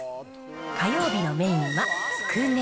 火曜日のメインはつくね。